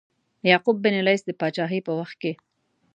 یعقوب بن لیث د پاچهۍ په وخت کې.